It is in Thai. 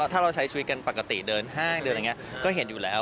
ถ้าเราใช้ชีวิตปกติเดินห้างก็เห็นอยู่แล้ว